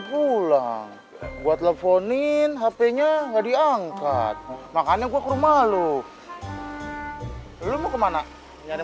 pulang buat teleponin hpnya nggak diangkat makanya gua ke rumah lu lu mau kemana nyari